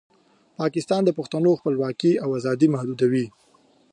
پاکستان د پښتنو خپلواکۍ او ازادۍ محدودوي.